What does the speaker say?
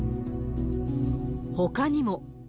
ほかにも。